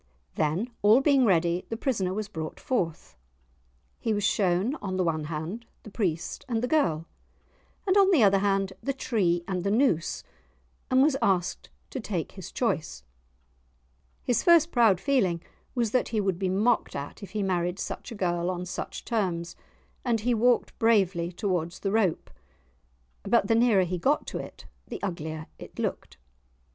Then, all being ready, the prisoner was brought forth. He was shown on the one hand the priest and the girl, and on the other hand the tree and the noose, and was asked to take his choice. His first proud feeling was that he would be mocked at if he married such a girl on such terms, and he walked bravely towards the rope. But the nearer he got to it the uglier it looked.